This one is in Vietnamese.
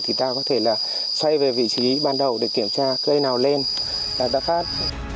thì ta có thể là xoay về vị trí ban đầu để kiểm tra cây nào lên là ta phát